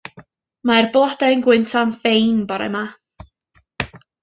Ma'r blode yn gwynto'n ffein bore 'ma.